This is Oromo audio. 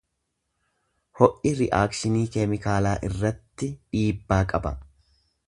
Ho'i ri'akshinii keemikaalaa irratti dhiibbaa qaba.